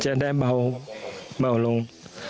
จะได้เบาลง